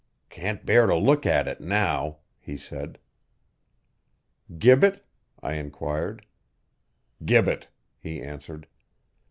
'Can't bear to look at it now,' he said. 'Gibbet?' I enquired. 'Gibbet,' he answered.